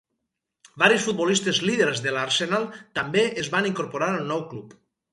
Varis futbolistes líders de l'Arsenal també es van incorporar al nou club.